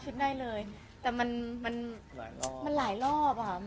ขอบคุณครับ